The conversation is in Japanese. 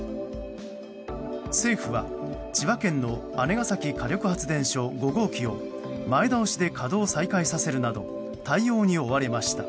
政府は、千葉県の姉崎火力発電所５号機を前倒しで稼働再開させるなど対応に追われました。